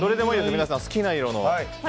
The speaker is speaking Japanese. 皆さん、好きな色を。